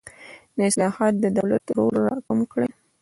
دا اصلاحات د دولت رول راکم کړي.